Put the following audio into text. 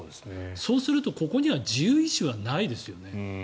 そうすると、ここには自由意思はないですよね。